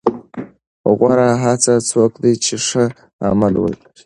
غوره هغه څوک دی چې ښه عمل ولري.